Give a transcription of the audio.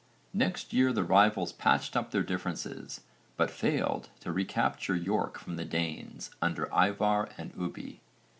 Next year the rivals patched up their differences, but failed to recapture York from the Danes under Ívarr and Ubbi.